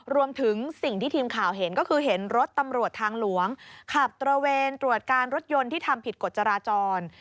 รวมถึงสิ่งที่ทีมข่าวเห็นก็คือเห็นรถตำรวจทางหลวงขับตระเวนตรวจการรถยนต์ที่ทำผิดกฎจราจร